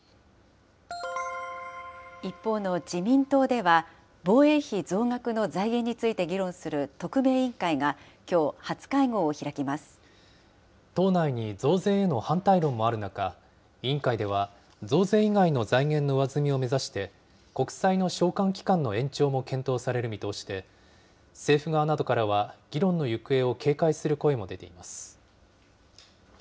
一方の自民党では、防衛費増額の財源について議論する特命委員会が、きょう、初会合党内に増税への反対論もある中、委員会では、増税以外の財源の上積みを目指して、国債の償還期間の延長も検討される見通しで、政府側などからは議論の行方を警戒する声も出ています。